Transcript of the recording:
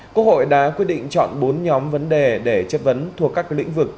quốc hội đã quyết định chọn bốn nhóm vấn đề để chất vấn thuộc các lĩnh vực